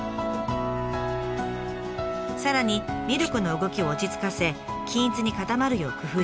さらにミルクの動きを落ち着かせ均一に固まるよう工夫します。